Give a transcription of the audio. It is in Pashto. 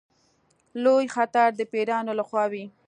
لوی خطر د پیرانو له خوا وي.